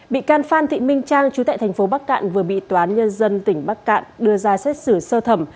bị can phan thị minh trang chú tại thành phố bắc cạn vừa bị tòa án nhân dân tỉnh bắc cạn đưa ra xét xử sơ thẩm